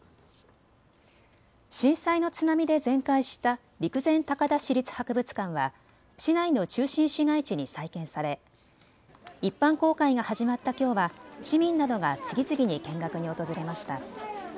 震災の津波で全壊した陸前高田市立博物館は市内の中心市街地に再建され一般公開が始まったきょうは市民などが次々に見学に訪れました。